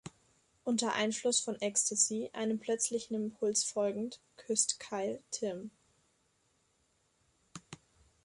Unter Einfluss von Ecstasy einem plötzlichen Impuls folgend, küsst Kyle Tim.